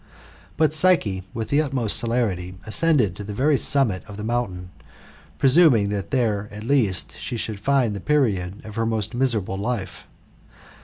But Psyche, with* the utmost celerity, ascended to the very summit of the mountain, presuming that there /it least she should find the period of her most miserable life.